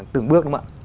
từng bước đúng không ạ